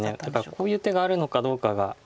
こういう手があるのかどうかが。